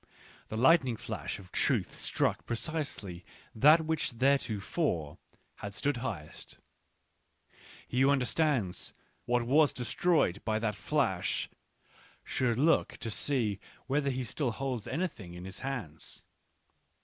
The lightning flash of truth struck precisely that which theretofore had stood highest : he who understands what was destroyed by that flash should look to see whether he still holds any thing in his hands.